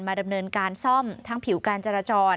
ดำเนินการซ่อมทั้งผิวการจราจร